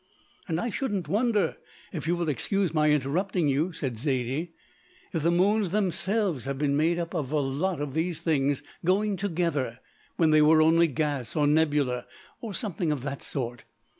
"And I shouldn't wonder, if you will excuse my interrupting you," said Zaidie, "if the moons themselves have been made up of a lot of these things going together when they were only gas, or nebula, or something of that sort.